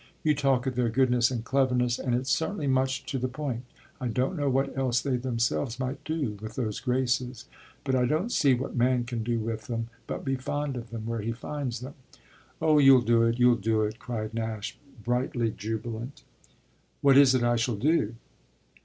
You talk of their goodness and cleverness, and it's certainly much to the point. I don't know what else they themselves might do with those graces, but I don't see what man can do with them but be fond of them where he finds them." "Oh you'll do it you'll do it!" cried Nash, brightly jubilant. "What is it I shall do?"